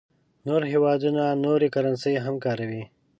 نور هېوادونه نورې کرنسۍ هم کاروي.